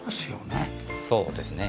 そうですね。